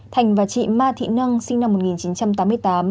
thành và chị ma thị năng sinh năm một nghìn chín trăm tám mươi tám